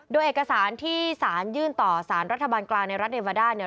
โดยเอกสารที่ศาลยื่นต่อศาลรัฐบาลกลางในรัฐเนเวดา